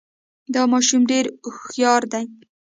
دا ماشوم ډېر هوښیار دی.